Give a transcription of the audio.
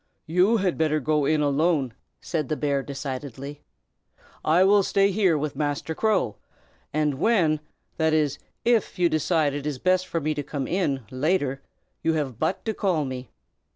"You had better go in alone," said the bear, decidedly. "I will stay here with Master Crow, and when that is, if you think it best for me to come in, later, you have but to call me."